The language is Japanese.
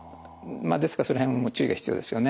ですからその辺も注意が必要ですよね。